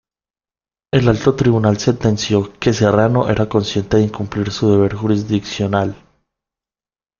El Alto Tribunal sentenció que Serrano era consciente de incumplir su deber jurisdiccional.